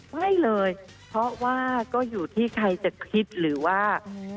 ไม่เลยเพราะว่าก็อยู่ที่ใครจะคิดหรือว่า